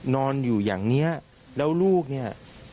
นอนอยู่อย่างนี้แล้วลูกเนี่ย